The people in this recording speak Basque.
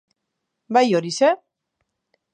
Bai horixe!